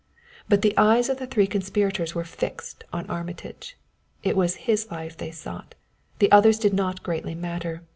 But the eyes of the three conspirators were fixed on Armitage; it was his life they sought; the others did not greatly matter.